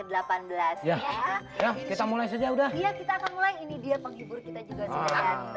saya ke delapan belas ya ya kita mulai saja udah ya kita akan mulai ini dia penghibur kita juga